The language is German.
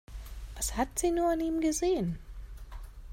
Was hat sie nur in ihm gesehen?